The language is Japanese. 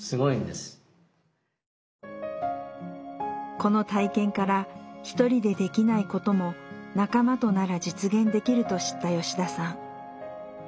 この体験から１人でできないことも仲間となら実現できると知った吉田さん。